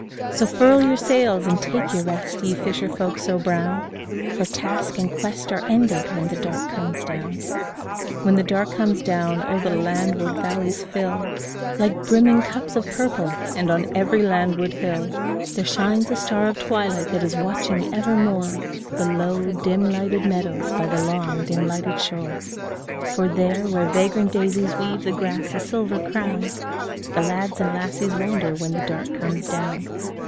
So furl your sails and take your rest, ye fisher folk so brown, For task and quest are ended when the dark comes down. When the dark comes down, oh, the landward valleys fill Like brimming cups of purple, and on every landward hill There shines a star of twilight that is watching ever more The low, dim lighted meadows by the long, dim lighted shore, For there, where vagrant daisies weave the grass a silver crown, The lads and lassies wander when the dark comes down.